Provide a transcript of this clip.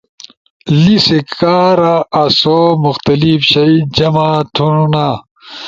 لیسی کارا آسو مخلتف شائی جمع تھونا